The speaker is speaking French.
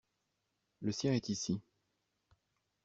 Le sien est ici.